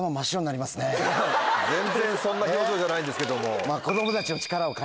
全然そんな表情じゃないんですけども。